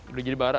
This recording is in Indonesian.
udah jadi bara